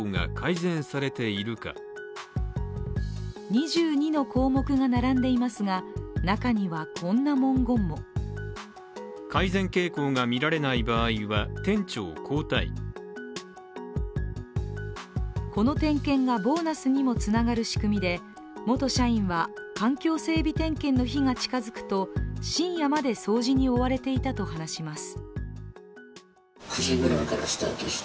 ２２の項目が並んでいますが中には、こんな文言もこの点検がボーナスにもつながる仕組みで元社員は環境整備点検の日が近づくと深夜まで掃除に追われていたと話します。